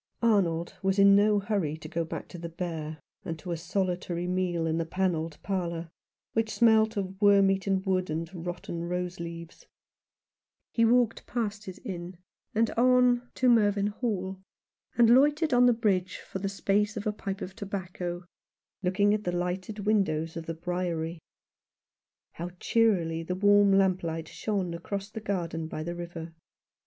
Arnold was in no hurry to go back to the Bear and to a solitary meal in the panelled parlour, which smelt of wormeaten wood and rotten rose leaves. He walked past his inn, and on to 7 6 Some One who loved Him. Mervynhall, and loitered on the bridge for the space of a pipe of tobacco, looking at the lighted windows of the Briery. How cheerily the warm lamplight shone across the garden by the river.